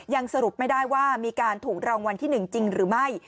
สรุปไม่ได้ว่ามีการถูกรางวัลที่๑จริงหรือไม่